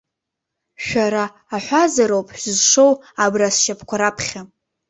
Шәара аҳәазароуп шәзызшоу, абра сшьапқәа раԥхьа.